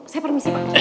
saya permisi pak